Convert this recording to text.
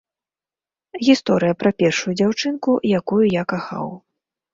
Гісторыя пра першую дзяўчынку, якую я кахаў.